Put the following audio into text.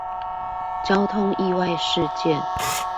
交通意外事件